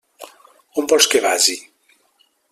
On vols que vagi?